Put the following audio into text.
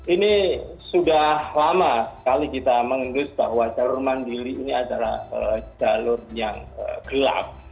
ini sudah lama sekali kita mengendus bahwa jalur mandiri ini adalah jalur yang gelap